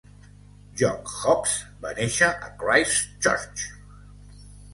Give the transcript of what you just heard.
Jock Hobbs va néixer a Christchurch.